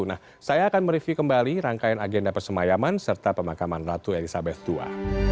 nah saya akan mereview kembali rangkaian agenda persemayaman serta pemakaman ratu elizabeth ii